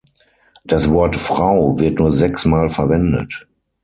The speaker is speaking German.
Das Wort "Frau" wird nur sechs Mal verwendet.